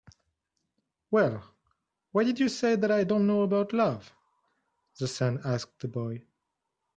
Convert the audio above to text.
"Well, why did you say that I don't know about love?" the sun asked the boy.